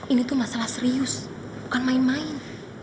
ini tuh masalah serius bukan main main